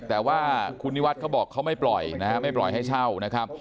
แต่ว่าคุณนิวัฒน์เขาบอกเขาไม่ปล่อยนะฮะไม่ปล่อยให้เช่านะครับ